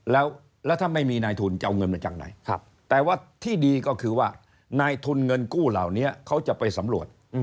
แล้วถ้าไม่มีนายทุนจะเอาเงินมาจากไหนแต่ว่าที่ดีก็คือว่านายทุนเงินกู้เหล่านี้เขาจะไปสำรวจ